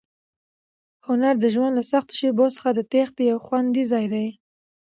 هنر د ژوند له سختو شېبو څخه د تېښتې یو خوندي ځای دی.